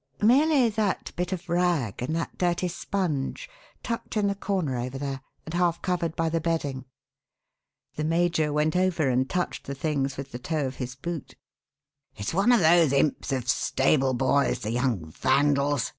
"Merely that bit of rag and that dirty sponge tucked in the corner over there and half covered by the bedding." The major went over and touched the things with the toe of his boot. "It's one of those imps of stable boys, the young vandals!"